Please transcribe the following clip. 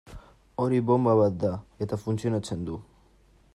Hori bonba bat da, eta funtzionatzen du.